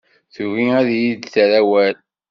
Tugi ad iyi-d-terr awal.